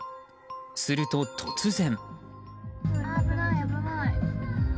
すると、突然。